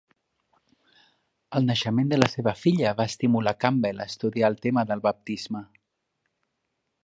El naixement de la seva filla va estimular Campbell a estudiar el tema del baptisme.